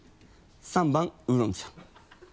３番ウーロン茶。